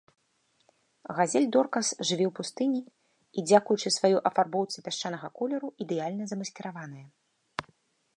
Газель-доркас жыве ў пустыні і, дзякуючы сваёй афарбоўцы пясчанага колеру, ідэальна замаскіраваная.